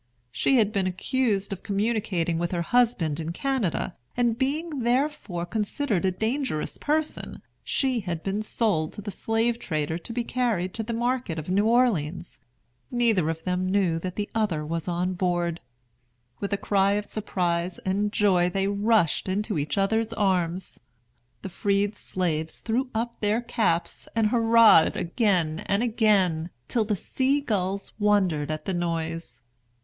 She had been accused of communicating with her husband in Canada, and being therefore considered a dangerous person, she had been sold to the slave trader to be carried to the market of New Orleans. Neither of them knew that the other was on board. With a cry of surprise and joy they rushed into each other's arms. The freed slaves threw up their caps and hurrahed again and again, till the sea gulls wondered at the noise.